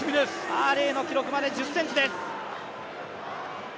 アーレイの記録まで１０ｃｍです。